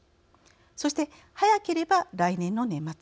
そして早ければ来年の年末。